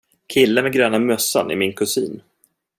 Killen med gröna mössan är min kusin.